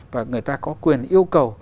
và người ta có quyền yêu cầu